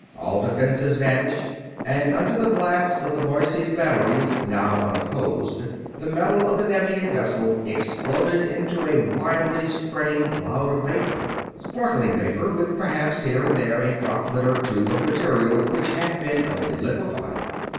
All defenses vanished, and under the blasts of the Boise's batteries, now unopposed, the metal of the Nevian vessel exploded into a widely spreading cloud of vapor. Sparkling vapor, with perhaps here and there a droplet or two of material which had been only liquefied.